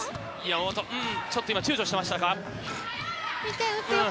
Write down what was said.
山本、ちょっと今、ちゅうちょしてましたか。